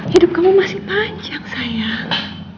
hidup kamu masih panjang sayang